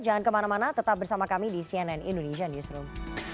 jangan kemana mana tetap bersama kami di cnn indonesia newsroom